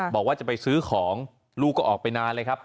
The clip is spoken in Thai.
บอกว่าจะไปซื้อของลูกก็ออกไปนานเลยครับ